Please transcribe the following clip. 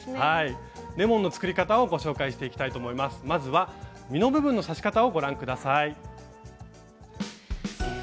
まずは実の部分の刺し方をご覧下さい。